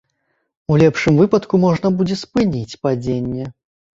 У лепшым выпадку, можна будзе спыніць падзенне.